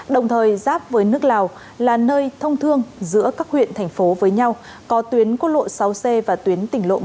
đồng thời giáp với nước lào là nơi thông thương giữa các huyện thành phố với nhau có tuyến quốc lộ sáu c và tuyến tỉnh lộ một